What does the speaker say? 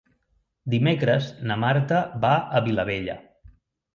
Dimecres na Marta va a Vilabella.